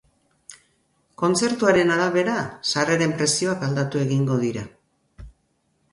Kontzertuaren arabera, sarreren prezioak aldatu egingo dira.